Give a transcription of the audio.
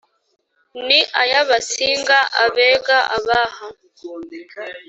Ni ay abasinga abega abaha